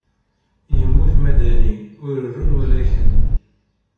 Yemmut Madani, ur run walaken.